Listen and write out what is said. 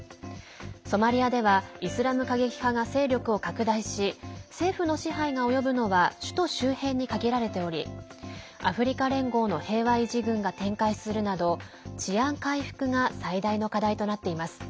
ソマリアではイスラム過激派が勢力を拡大し政府の支配が及ぶのは首都周辺に限られておりアフリカ連合の平和維持軍が展開するなど治安回復が最大の課題となっています。